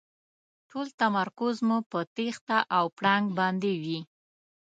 ټول تمرکز مو په تېښته او پړانګ باندې وي.